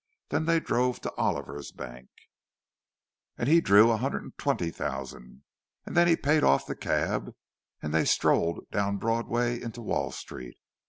Then they drove to Oliver's bank, and he drew a hundred and twenty thousand; and then he paid off the cab, and they strolled down Broadway into Wall Street.